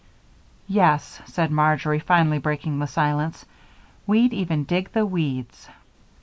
"Yes," said Marjory, finally breaking the silence. "We'd even dig the weeds."